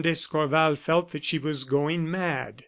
d'Escorval felt that she was going mad.